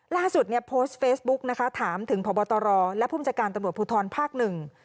ล่าสุดนี้โพสต์เฟซบุ๊กถามถึงพบตและผู้จัดการตำรวจผู้ทอนภาคหนึ่ง